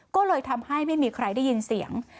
ก็เลยทำให้ไม่มีใครได้ยินเสียง